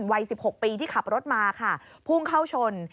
วัย๑๖ปีที่ขับรถมาค่ะพุ่งเข้าชน